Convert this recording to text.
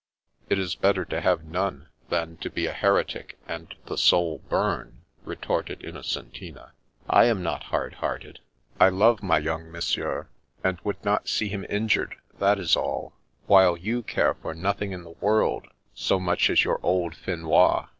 " It is better to have none than to be a heretic, and the soul burn," retorted Innocentina. "I am not hard hearted. I love my young Monsieur, and 28o The Princess Passes would not see him injured, that is all ; while you care for nothing in the world so much as your old Finois.